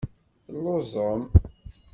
Telluẓem.